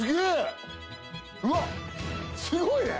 すごいね！